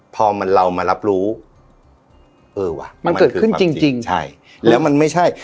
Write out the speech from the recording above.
พอมันเรามารับรู้เออว่ะมันเกิดขึ้นจริงจริงใช่แล้วมันไม่ใช่